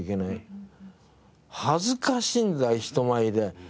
恥ずかしいんだよ人前で。